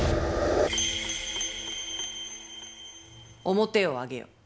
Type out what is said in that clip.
面を上げよ。